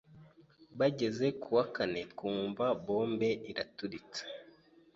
bageze ku wa kane, twumva bombe iraturitse